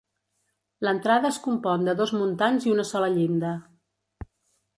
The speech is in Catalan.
L'entrada es compon de dos muntants i una sola llinda.